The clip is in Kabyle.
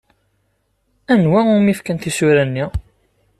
Anwa umi fkan tisura-nni?